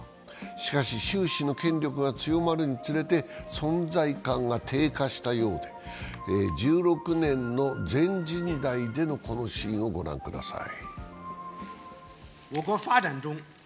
しかし、習氏の権力が強まるにつれて存在感が低下したようで、１６年の全人代でのこのシーンをご覧ください。